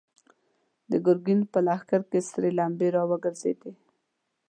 د ګرګين په لښکر کې سرې لمبې را وګرځېدې.